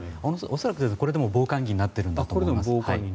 恐らくこれでも防寒着になっているんだと思います。